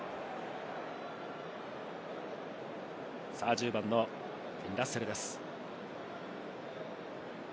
１０番のラッセルです。